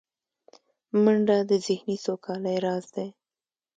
منډه د ذهني سوکالۍ راز دی